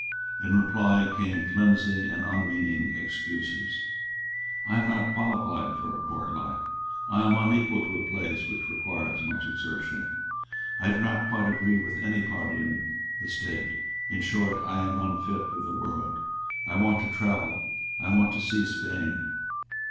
In reply came flimsy and unmeaning excuses: "I am not qualified for a court life; I am unequal to a place which requires much exertion; I do not quite agree with any party in the State; in short, I am unfit for the world; I want to travel; I want to see Spain."